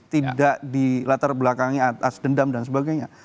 tidak di latar belakangnya atas dendam dan sebagainya